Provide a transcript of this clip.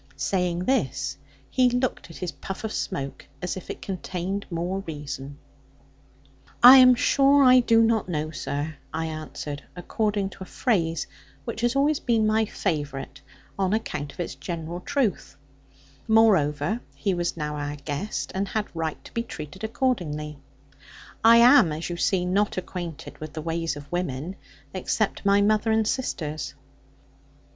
Saying this, he looked at his puff of smoke as if it contained more reason. 'I am sure I do not know, sir,' I answered according to a phrase which has always been my favourite, on account of its general truth: moreover, he was now our guest, and had right to be treated accordingly: 'I am, as you see, not acquainted with the ways of women, except my mother and sisters.'